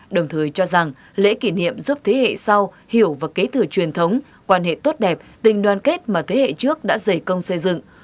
đồng thời cho rằng lễ kỷ niệm giúp thế hệ sau hiểu và kế thừa truyền thống quan hệ tốt đẹp tình đoàn kết mà thế hệ trước đã dày công xây dựng